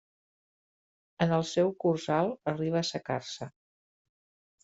En el seu curs alt arriba a assecar-se.